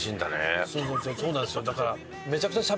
だから。